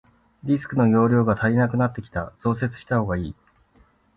ディスクの容量が足りなくなってきた、増設したほうがいい。